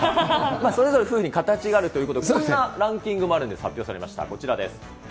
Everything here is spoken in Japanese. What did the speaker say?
それぞれ夫婦に形があるということで、こんなランキングもあるんです、発表されました、こちらです。